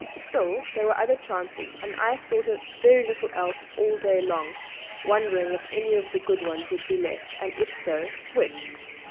Still, there were other chances; and I thought of very little else all day long, wondering if any of the good ones would be left; and if so, which?